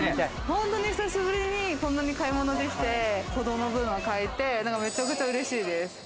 本当に久しぶりにこんなに買い物できて、子供の分も買えて、めちゃくちゃ嬉しいです。